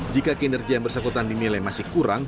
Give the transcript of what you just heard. jika kinerja yang bersekutang dinilai masih kurun